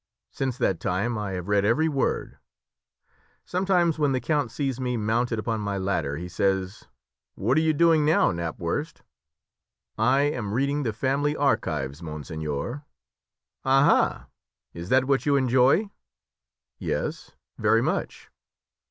Since that time I have read every word. Sometimes, when the count sees me mounted upon my ladder, he says, 'What are you doing now, Knapwurst?' 'I am reading the family archives, monseigneur.' 'Aha! is that what you enjoy?' 'Yes, very much.'